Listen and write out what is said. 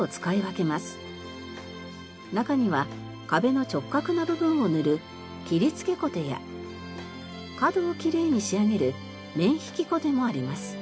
中には壁の直角な部分を塗る切付コテや角をきれいに仕上げる面引きコテもあります。